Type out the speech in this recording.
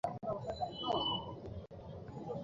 বরফ না থাকায় লজ্জিত।